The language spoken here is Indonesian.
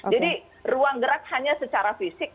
jadi ruang gerak hanya secara fisik